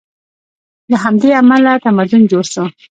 له همدې امله تمدن جوړ شو.